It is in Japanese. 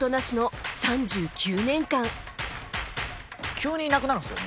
急にいなくなるんですよ